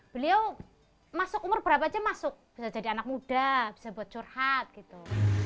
beliau masuk umur berapa aja masuk bisa jadi anak muda bisa buat curhat gitu